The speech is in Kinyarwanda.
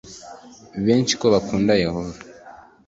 benshi ko bakunda Yehova